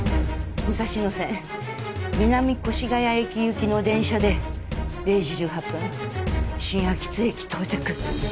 武蔵野線南越谷駅行きの電車で０時１８分新秋津駅到着。